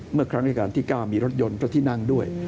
เมื่อครั้งราชการที่๙มีรถยนต์พระที่นั่งด้วย